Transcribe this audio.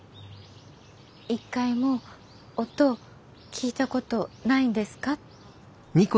一回も音聞いたことないんですか？